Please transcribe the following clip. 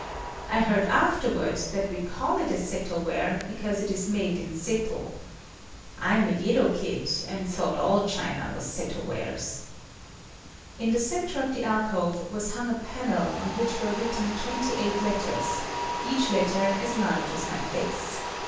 I heard afterward that we call it a seto ware because it is made in Seto. I'm a Yedo kid, and thought all china was seto wares. In the center of the alcove was hung a panel on which were written twenty eight letters, each letter as large as my face.